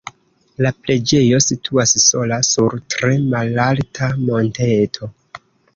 La preĝejo situas sola sur tre malalta monteto.